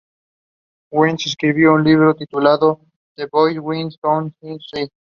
Wentz escribió un libro titulado "The Boy With the Thorn In His Side".